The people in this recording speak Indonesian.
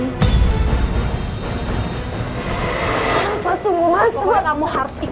sampai mengalami peristiwa seperti ini